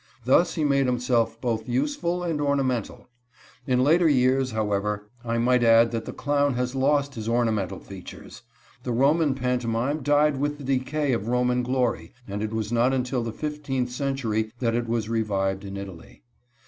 Thus he made himself both useful and ornamental. In later years, however, I might add that the clown has lost his ornamental features. The Roman pantomime died with the decay of Roman glory, and it was not until the fifteenth century that it was revived in Italy.